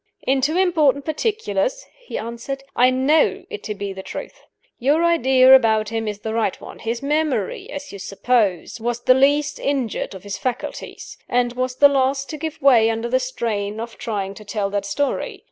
"In two important particulars," he answered, "I know it to be the truth. Your idea about him is the right one. His memory (as you suppose) was the least injured of his faculties, and was the last to give way under the strain of trying to tell that story.